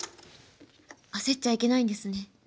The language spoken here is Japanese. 焦っちゃいけないんですね。